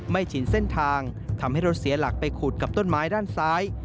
ชินเส้นทางทำให้รถเสียหลักไปขูดกับต้นไม้ด้านซ้าย